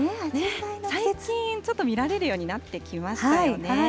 最近、ちょっと見られるようになってきましたよね。